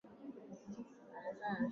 Wa elfu moja mia tisa tisini na nne